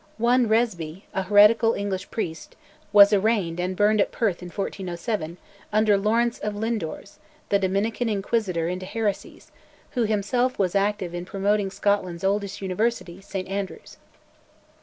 One Resby, a heretical English priest, was arraigned and burned at Perth in 1407, under Laurence of Lindores, the Dominican Inquisitor into heresies, who himself was active in promoting Scotland's oldest University, St Andrews.